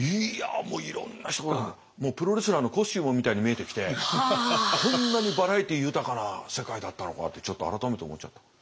いやいろんな人がプロレスラーのコスチュームみたいに見えてきてこんなにバラエティー豊かな世界だったのかってちょっと改めて思っちゃった。